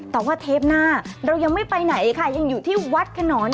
แต่ว่าเทปหน้าเรายังไม่ไปไหนค่ะยังอยู่ที่วัดขนอน